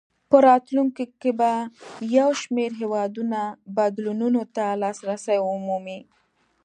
په راتلونکو کې به یو شمېر هېوادونه بدلونونو ته لاسرسی ومومي.